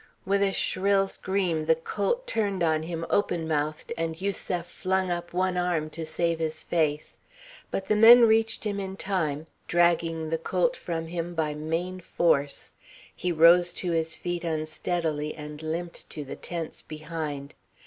With a shrill scream the colt turned on him open mouthed, and Yusef flung up one arm to save his face. But the men reached him in time, dragging the colt from him by main force. He rose to his feet unsteadily and limped to the tents behind.